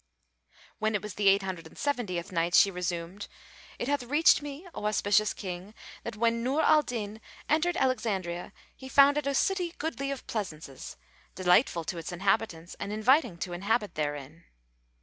When it was the Eight Hundred and Seventieth Night, She resumed, It hath reached me, O auspicious King, that when Nur al Din entered Alexandria he found it a city goodly of pleasaunces, delightful to its inhabitants and inviting to inhabit therein.